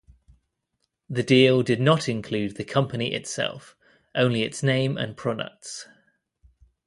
The deal did not include the company itself, only its name and products.